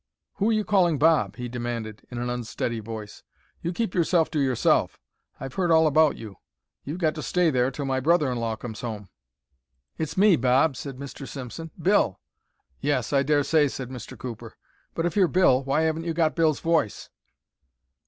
"Who are you calling 'Bob'?" he demanded, in an unsteady voice. "You keep yourself to yourself. I've heard all about you. You've got to stay there till my brother in law comes home." "It's me, Bob," said Mr. Simpson—"Bill." "Yes, I dare say," said Mr. Cooper; "but if you're Bill, why haven't you got Bill's voice?"